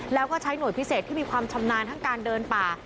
แล้วก็ใช้หน่วยพิเศษที่มีความชำนาญทั้งการเดินป่า